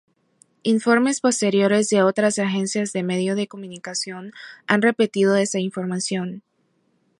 Informes posteriores de otras agencias de medios de comunicación han repetido esta información.